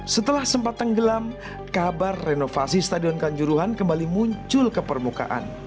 setelah sempat tenggelam kabar renovasi stadion kanjuruhan kembali muncul ke permukaan